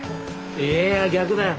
いや逆だよ。